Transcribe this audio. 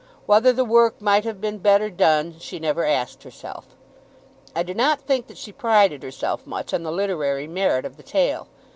Whether the work might have been better done she never asked herself. I do not think that she prided herself much on the literary merit of the tale.